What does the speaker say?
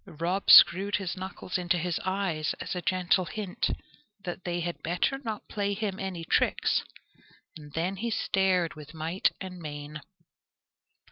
Rob screwed his knuckles into his eyes, as a gentle hint, that they had better not play him any tricks, and then stared with might and main.